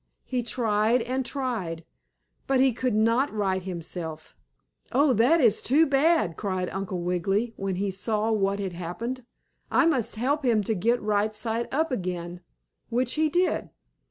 He tried and tried, but he could not right himself. "Oh, that is too bad!" cried Uncle Wiggily, when he saw what had happened. "I must help him to get right side up again," which he did.